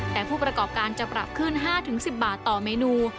แต่ผู้ประกอบการจะปรับขึ้น๕๑๐บาทต่อเมนู